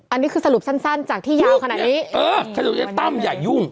อันนี้คือสรุปสั้นสั้นจากที่ยาวขนาดนี้เออสรุปเจ๊ตั้มอย่ายุ่ง